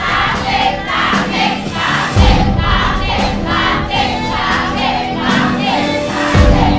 และคะแนนของน้องไมโครโฟนคือ